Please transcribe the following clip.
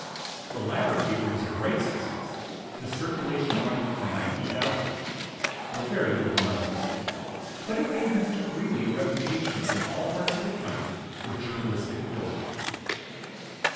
The latter paper was a great success, the circulation running up to ninety thousand, though very little money was made; but it gave Mr. Greeley a reputation in all parts of the country for journalistic ability.